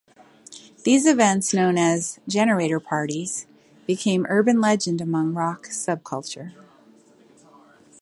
These events, known as "generator parties", became urban legend among rock subculture.